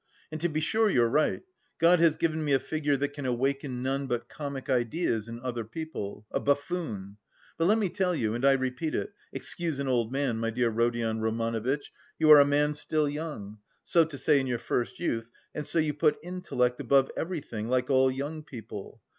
"And to be sure you're right: God has given me a figure that can awaken none but comic ideas in other people; a buffoon; but let me tell you, and I repeat it, excuse an old man, my dear Rodion Romanovitch, you are a man still young, so to say, in your first youth and so you put intellect above everything, like all young people.